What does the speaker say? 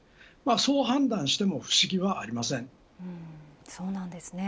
そう判断しても不思議はありません。